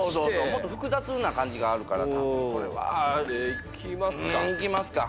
もっと複雑な感じがあるからたぶんこれは。いきますか。